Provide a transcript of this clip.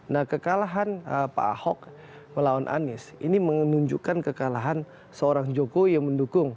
nah kekalahan pak ahok melawan anies ini menunjukkan kekalahan seorang jokowi yang mendukung